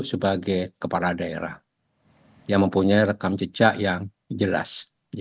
sebagai kepala daerah yang mempunyai rekam jejak yang jelas